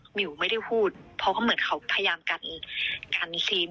หิวไม่ได้พูดเพราะเหมือนเขาพยายามกันซีน